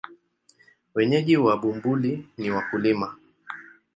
Wenyeji wa Bumbuli ni wakulima.